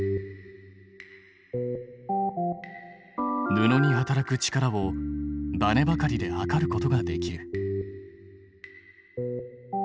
布に働く力をバネばかりで測ることができる。